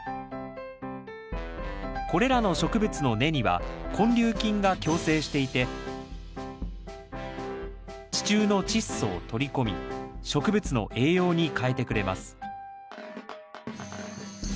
これらの植物の根には根粒菌が共生していて地中のチッ素を取り込み植物の栄養に変えてくれます